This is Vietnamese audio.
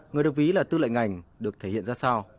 người được ví là tư lệnh ngành được thể hiện ra sao